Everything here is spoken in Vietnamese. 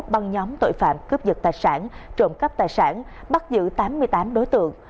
băng nhóm tội phạm cướp dật tài sản trộm cắp tài sản bắt giữ tám mươi tám đối tượng